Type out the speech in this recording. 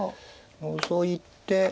ノゾいて。